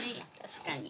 確かに。